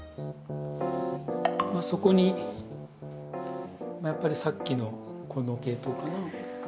そこにやっぱりさっきのこの系統かな。